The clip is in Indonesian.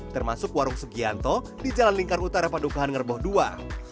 termasuk warung sugianto di jalan lingkar utara padukahan ngerboh ii